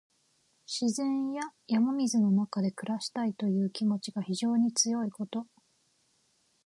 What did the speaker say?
自然や山水の中で暮らしたいという気持ちが非常に強いこと。